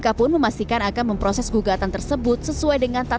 kpk pun memastikan akan memproses gugatan tersebut sesuai dengan tahapan